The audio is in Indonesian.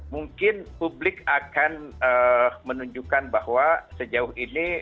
mungkin publik akan menunjukkan bahwa sejauh ini